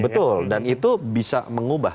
betul dan itu bisa mengubah